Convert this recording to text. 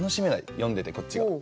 読んでてこっちが。